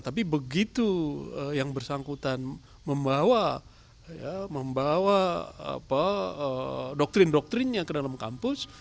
tapi begitu yang bersangkutan membawa doktrin doktrinnya ke dalam kampus